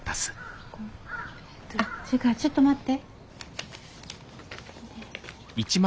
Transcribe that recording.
それからちょっと待って。